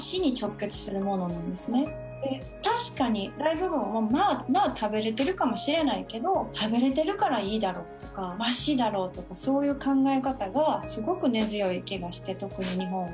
確かに大部分は、まあ食べれてるかもしれないけど、食べられてるからいいだろうとか、ましだろうというそういう考え方がすごく根強い気がして、特に日本が。